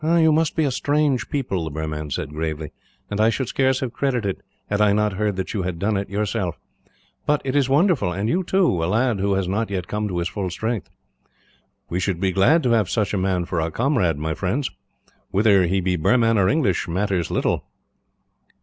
"You must be a strange people," the Burman said gravely, "and I should scarce have credited it, had I not heard that you had done it, yourself. But it is wonderful; and you, too, a lad who has not yet come to his full strength. "We should be glad to have such a man for our comrade, my friends. Whether he be Burman or English matters little.